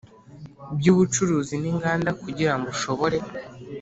By ubucuruzi n inganda kugira ngo ushobore